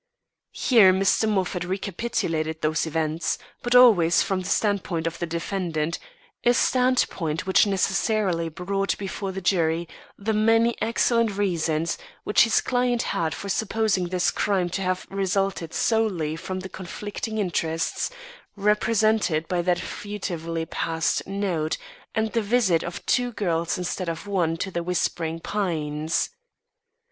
Here Mr. Moffat recapitulated those events, but always from the standpoint of the defendant a standpoint which necessarily brought before the jury the many excellent reasons which his client had for supposing this crime to have resulted solely from the conflicting interests represented by that furtively passed note, and the visit of two girls instead of one to The Whispering Pines.